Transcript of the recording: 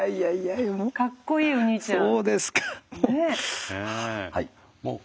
かっこいいおにいちゃん。